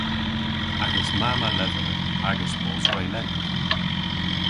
Agas mamm a lever agas bos re lent.